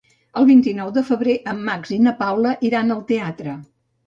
El vint-i-nou de febrer en Max i na Paula iran al teatre.